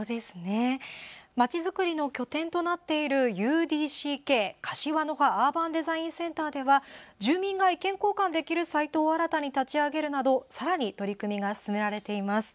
まちづくりの拠点となっているＵＤＣＫ＝柏の葉アーバンデザインセンターでは住民が意見交換できるサイトを新たに立ち上げるなどさらに取り組みが進められています。